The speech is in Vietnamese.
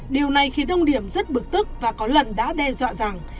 điều này khiến ông điệm rất bực tức và có lần đã đe dọa rằng